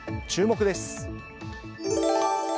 注目です。